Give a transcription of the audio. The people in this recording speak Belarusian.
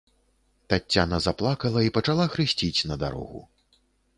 Таццяна заплакала і пачала хрысціць на дарогу.